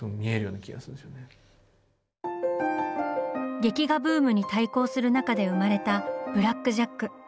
劇画ブームに対抗する中で生まれた「ブラック・ジャック」。